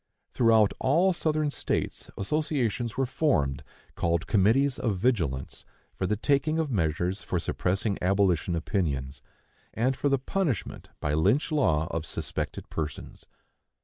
Throughout all the Southern States associations were formed, called committees of vigilance, for the taking of measures for suppressing abolition opinions, and for the punishment by Lynch law of suspected persons.